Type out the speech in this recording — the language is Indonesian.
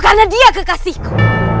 karena dia kekasihku